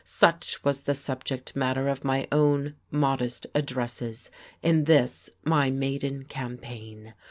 Such was the subject matter of my own modest addresses in this, my maiden campaign.